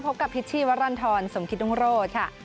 พบกับพิชชีวรรณฑรสมคิตรุงโรธค่ะ